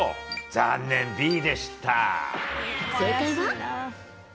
残念、Ｂでした。